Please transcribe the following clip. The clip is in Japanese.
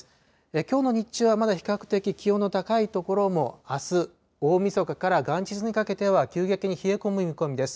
きょうの日中はまだ比較的気温の高い所もあす大みそかから元日にかけては急激に冷え込む見込みです。